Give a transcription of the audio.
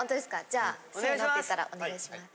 じゃあ「せの」って言ったらお願いします。